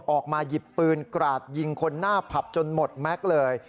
ออกมาหยิบปืนกราดยิงคนหน้าผับจนหมดแม็กซ์เลย